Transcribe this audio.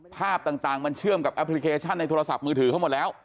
ภาพต่างมันเชื่อมกับแอปพลิเคชันในโทรศัพท์มือถือเขาหมดแล้ว